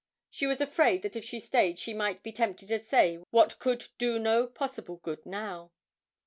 She was afraid that if she stayed she might be tempted to say what could do no possible good now.